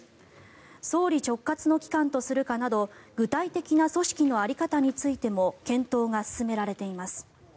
総理直轄の機関とするかなど具体的な組織の在り方についても検討が進められています。